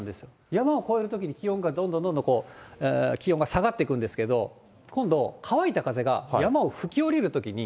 山を越えるときに、気温がどんどんどんどん、気温が下がっていくんですけれども、今度乾いた風が山を吹き下りるときに。